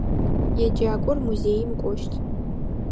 Еджакӏор музеим кӏощт.